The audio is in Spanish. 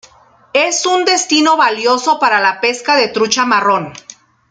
Es un destino valioso para la pesca de trucha marrón.